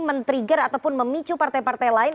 men trigger ataupun memicu partai partai lain